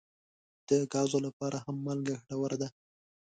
د ګازو لپاره هم مالګه ګټوره ده.